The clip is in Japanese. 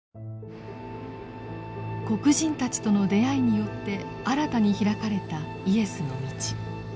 黒人たちとの出会いによって新たに開かれたイエスの道。